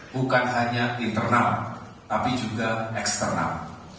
bukan hanya internal tapi juga eksternal